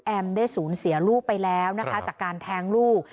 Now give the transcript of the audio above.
ได้สูญเสียลูกไปแล้วนะคะจากการแท้งลูก